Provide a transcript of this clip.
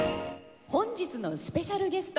本日のスペシャルゲスト